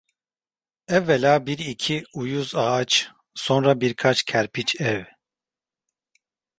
Evvela bir iki uyuz ağaç, sonra birkaç kerpiç ev…